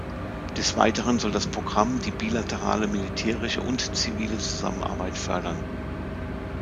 Des Weiteren soll das Programm die bilaterale militärische und zivile Zusammenarbeit fördern.